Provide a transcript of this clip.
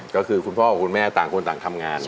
ก็คือคุณพ่อกับคุณแม่ต่างคนต่างทำงาน